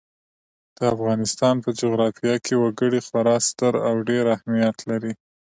د افغانستان په جغرافیه کې وګړي خورا ستر او ډېر اهمیت لري.